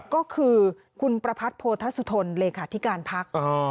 ก็คือคุณประพัทธ์โพธัศุทนเลยค่ะที่การพัก